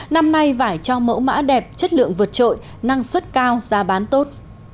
năm nay vải cho mẫu mã đẹp chất lượng vượt trội năng suất cao giá bán tốt